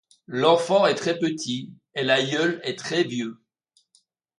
L'enfant est très petit et l'aïeul est très vieux.